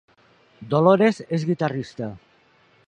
Dolores és guitarrista